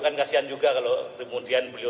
kan kasihan juga kalau kemudian beli beli itu